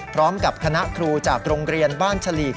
พร้อมกับคณะครูจากโรงเรียนบ้านฉลีก